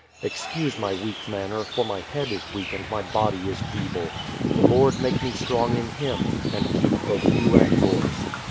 Excuse my weak manner, for my head is weak and my body is feeble. The Lord make me strong in Him, and keep both you and yours.